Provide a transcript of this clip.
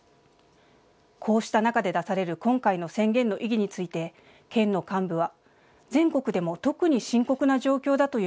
こうした中で出される今回の宣言の意義について県の幹部は全国でも特に深刻な状況だという